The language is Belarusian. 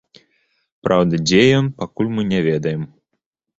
Праўда, дзе ён, мы пакуль не ведаем.